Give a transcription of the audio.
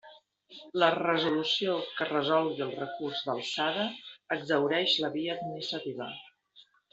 La resolució que resolgui el recurs d'alçada exhaureix la via administrativa.